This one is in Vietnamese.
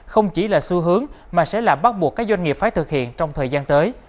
không chỉ là xu hướng mà sẽ là bắt buộc các doanh nghiệp phải thực hiện trong thời gian tới